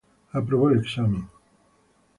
Aprobó el examen.